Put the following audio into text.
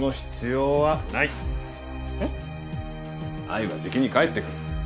愛はじきに帰ってくる。